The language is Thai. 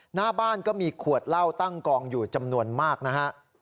หน้าบ้านก็มีขวดเหล้าตั้งกองอยู่จำนวนมากนะฮะ